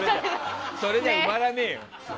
それじゃ埋まらねえよ。